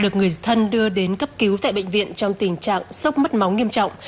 được người thân đưa đến cấp cứu tại bệnh viện trong tình trạng sốc mất máu nghiêm trọng